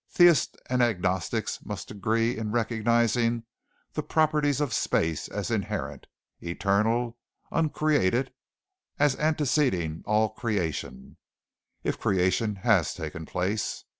Theist and Agnostic must agree in recognizing the properties of Space as inherent, eternal, uncreated as anteceding all creation, if creation has taken place.